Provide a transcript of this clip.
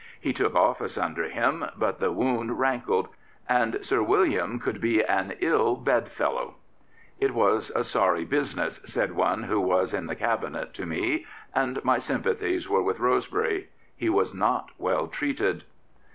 He took office under him; but the wound rankled, and Sir William could be an ill bedfellow. It was a sorry business,'' said one who was in that Cabinet to me, and my sympathies were with Rosebery. He was not well treated."